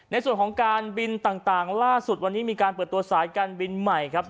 ในส่วนของการบินต่างล่าสุดวันนี้มีการเปิดตัวสายการบินใหม่ครับ